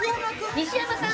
西山さん！